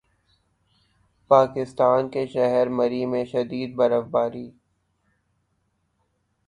پاکستان کے شہر مری میں شدید برف باری